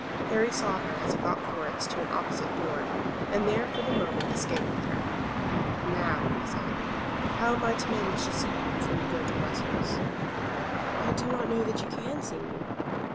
Harry saw her as he got Florence to an opposite door, and there for the moment escaped with her. "And now," he said, "how am I to manage to see you before you go to Brussels?" "I do not know that you can see me."